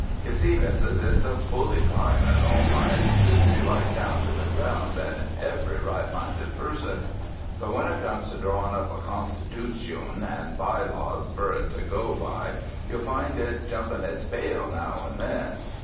You see, missus, it's a bully climate, all right, and suits me right down to the ground and every right minded person, but when it comes to drawing up a constitootion and by laws fur it to go by, you'll find it jumpin' its bail now and then.